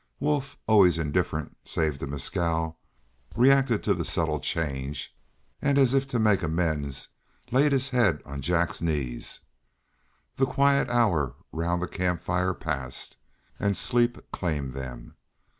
Wolf, always indifferent save to Mescal, reacted to the subtle change, and as if to make amends laid his head on Jack's knees. The quiet hour round the camp fire passed, and sleep claimed them.